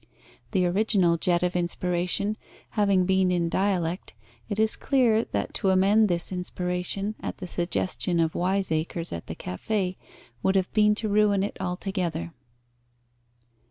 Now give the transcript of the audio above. The original jet of inspiration having been in dialect, it is clear that to amend this inspiration at the suggestion of wiseacres at the Café would have been to ruin it altogether.